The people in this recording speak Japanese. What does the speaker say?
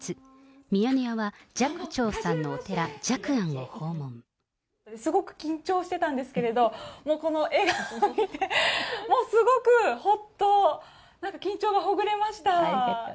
ミヤネ屋は、寂聴さんのお寺、すごく緊張してたんですけど、もうこの笑顔を見て、すごくほっと、なんか緊張がほぐれました。